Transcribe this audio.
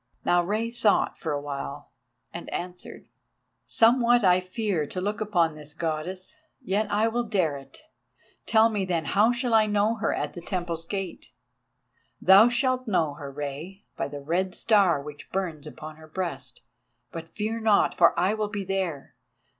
Now Rei thought for awhile and answered: "Somewhat I fear to look upon this Goddess, yet I will dare it. Tell me, then, how shall I know her at the temple's gate?" "Thou shalt know her, Rei, by the red star which burns upon her breast. But fear not, for I will be there.